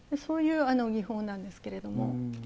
そういう技法なんですけれども。